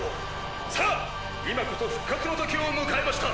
さあ今こそ復活の時を迎えました！